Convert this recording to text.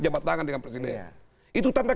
jabat tangan dengan presiden itu tanda